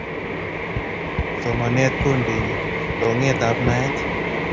somanet kondeni longet ap naet